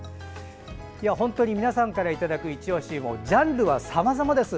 本当に皆さんからいただくいちオシジャンルはさまざまです。